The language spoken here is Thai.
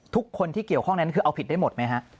ทุกคนที่เกี่ยวข้องนั้นคือเอาผิดได้หมดไหมฮะ